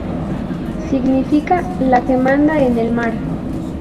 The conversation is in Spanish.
Significa "La que manda en el mar".